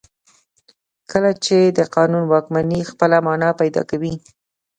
کله چې د قانون واکمني خپله معنا پیدا کوي.